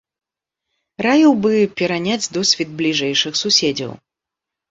Раіў бы пераняць досвед бліжэйшых суседзяў.